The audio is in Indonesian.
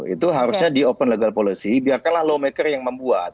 itu harusnya di open legal policy biarkanlah law maker yang membuat